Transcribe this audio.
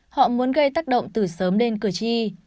họ muốn gây tác động từ sớm đến cử tri